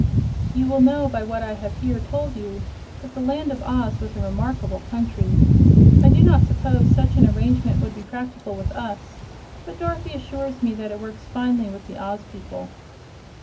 You will know by what I have here told you, that the Land of Oz was a remarkable country. I do not suppose such an arrangement would be practical with us, but Dorothy assures me that it works finely with the Oz people.